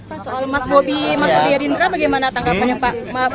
pak soal mas bobi masudiyahirindra bagaimana tangkapannya pak